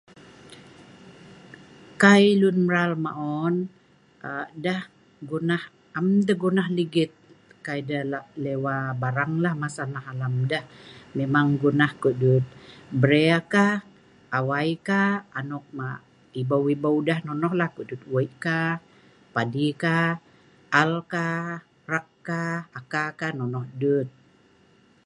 Kai lunmral maon aa deh gunah am deh gunah ligit. Kai deh lah lewa baranglah masa nah alam, deh memang gunah ko'dut bre'kah, awaikah, anok mah' ibeu-ibeu deh nonohlah kodut wei'kah, padikah, alkah, rakkah, akakah, nonoh dut.